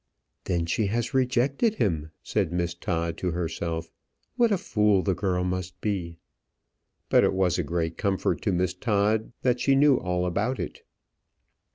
"Then she has rejected him," said Miss Todd to herself. "What a fool the girl must be!" but it was a great comfort to Miss Todd that she knew all about it.